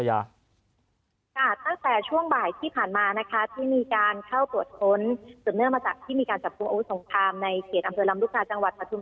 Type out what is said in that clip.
ตั้งแต่ช่วงบ่ายที่ผ่านมานะคะที่มีการเข้าปวดทน